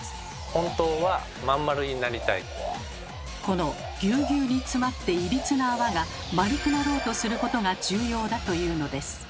本当はこのぎゅうぎゅうにつまっていびつな泡が丸くなろうとすることが重要だというのです。